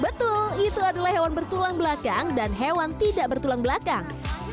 betul itu adalah hewan bertulang belakang dan hewan tidak bertulang belakang